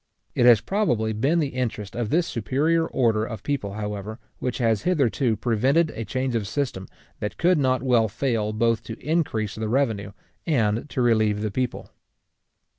It has probably been the interest of this superior order of people, however, which has hitherto prevented a change of system that could not well fail both to increase the revenue and to relieve the people.